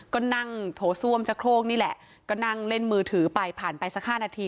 ก็นั่งโถส้วมชะโครกนี่แหละก็นั่งเล่นมือถือไปผ่านไปสัก๕นาที